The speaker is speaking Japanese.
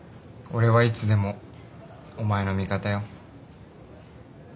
俺はいつでもお前の味方よ。